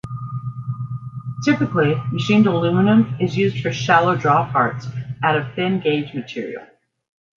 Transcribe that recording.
Typically, machined aluminium is used for shallow draw parts out of thin gauge material.